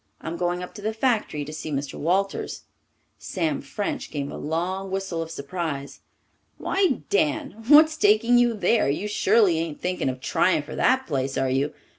I'm going up to the factory to see Mr. Walters." Sam French gave a long whistle of surprise. "Why, Dan, what's taking you there? You surely ain't thinking of trying for that place, are you?